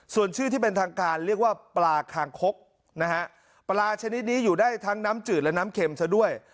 ส่วนชื่อที่เป็นทางการเรียกว่าปลาคางคกนะฮะปลาชนิดนี้อยู่ได้ทั้งน้ำจืดและน้ำเข็มซะด้วย